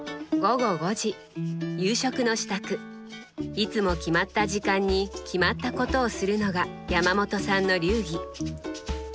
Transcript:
いつも決まった時間に決まったことをするのが山本さんの流儀。